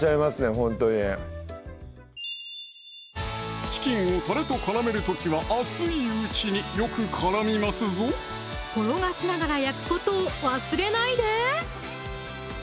ほんとにチキンをタレと絡める時は熱いうちによく絡みますぞ転がしながら焼くことを忘れないで！